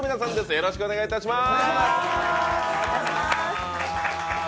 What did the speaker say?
よろしくお願いします。